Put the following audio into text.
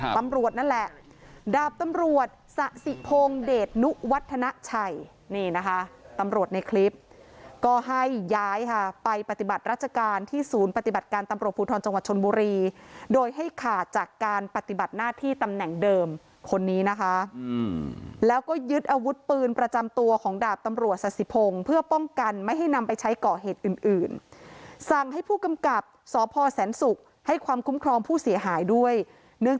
ตำรวจนั่นแหละดาบตำรวจศสิพงเดชนุวัฒนชัยนี่นะคะตำรวจในคลิปก็ให้ย้ายค่ะไปปฏิบัติรัชการที่ศูนย์ปฏิบัติการตำรวจภูทรจังหวัดชนบุรีโดยให้ขาดจากการปฏิบัติหน้าที่ตำแหน่งเดิมคนนี้นะคะแล้วก็ยึดอาวุธปืนประจำตัวของดาบตำรวจศสิพงเพื่อป้องกันไม่ให้นำไปใช้ก่อเหตุอื่น